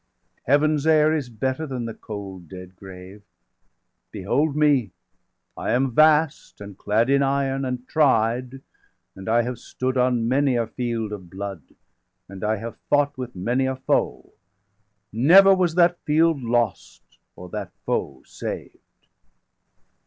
Heaven's air is better than the cold dead grave. Behold me! I am vast,° and clad in iron, °325 And tried°; and I have stood on many a field Of blood, and I have fought with many a foe Never was that field lost, or that foe saved.